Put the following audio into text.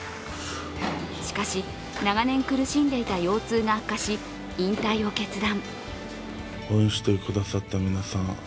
しかし、長年苦しんでいた腰痛が悪化し、引退を決断。